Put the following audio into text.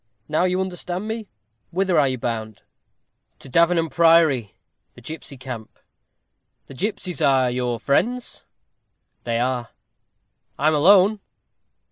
Now you understand me. Whither are you bound?" "To Davenham Priory, the gipsy camp." "The gipsies are your friends?" "They are." "I am alone."